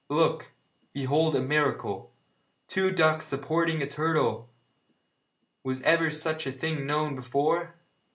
look! behold a miracle! Two ducks supporting a turtle! Was ever such a thing known before!'